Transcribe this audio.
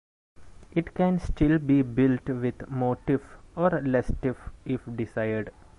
It can still be built with Motif or LessTif if desired.